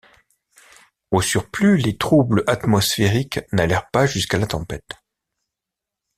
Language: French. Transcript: Au surplus, les troubles atmosphériques n’allèrent pas jusqu’à la tempête.